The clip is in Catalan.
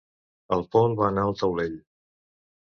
El Paul va anar al taulell.